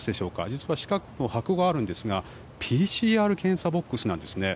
実は四角い箱があるんですがＰＣＲ検査ボックスなんですね。